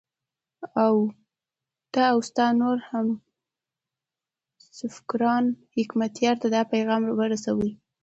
ته او ستا نور همفکران حکمتیار ته دا پیغام ورسوئ.